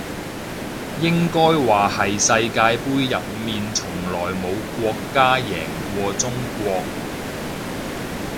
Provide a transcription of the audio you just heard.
應該話係世界盃入面從來冇國家贏過中國